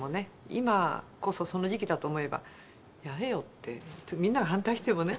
今こそその時期だと思えば「やれよ」ってみんなが反対してもね。